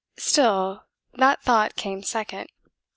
Still that thought came second.